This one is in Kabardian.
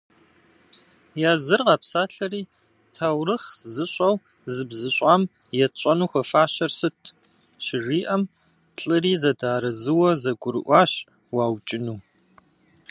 Языр къэпсалъэри «таурыхъ зыщӏэу зыбзыщӏам етщӏэну хуэфащэр сыт?»- щыжиӏэм, плӏыри зэдэарэзыуэ зэгурыӏуащ уаукӏыну.